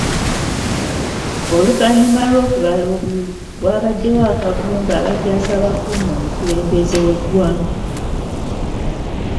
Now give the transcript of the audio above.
Oluvannyuma lw’okubala obululu, wabaddewo akavuyo ng’abajaasi abakuuma omukulembeze w’eggwanga.